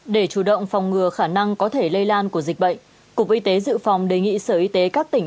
để chủ động phòng ngừa khả năng có thể lây lan của dịch bệnh cục y tế dự phòng đề nghị sở y tế các tỉnh